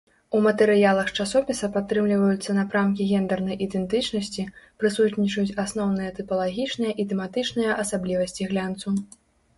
У матэрыялах часопіса падтрымліваюцца напрамкі гендэрнай ідэнтычнасці, прысутнічаюць асноўныя тыпалагічныя і тэматычныя асаблівасці глянцу.